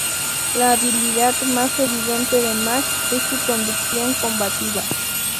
La habilidad más evidente de Max es su conducción combativa.